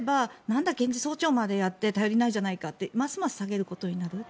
なんだ、検事総長までやって頼りないじゃないかってますます下げることになる。